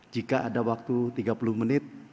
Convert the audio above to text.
jika ada waktu tiga puluh menit